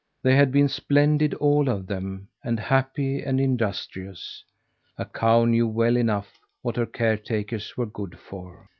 They had been splendid, all of them, and happy and industrious. A cow knew well enough what her caretakers were good for.